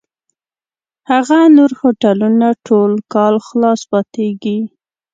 هغه نور هوټلونه ټول کال خلاص پاتېږي.